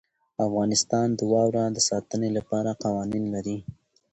افغانستان د واوره د ساتنې لپاره قوانین لري.